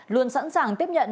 luôn sẵn sàng tiếp nhận